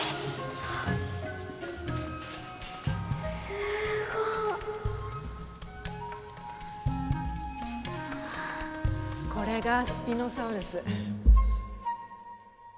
すごい！これがスピノサウルス。